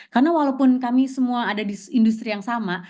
karena walaupun kami semua ada di industri yang sama